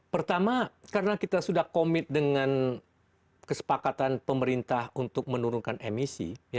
pertama karena kita sudah komit dengan kesepakatan pemerintah untuk menurunkan emisi